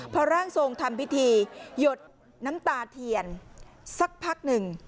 พอร่างทรงทำพิธีหยดน้ำตาเทียนสักพักหนึ่ง